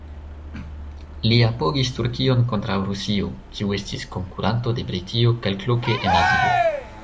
Li apogis Turkion kontraŭ Rusio, kiu estis konkuranto de Britio kelkloke en Azio.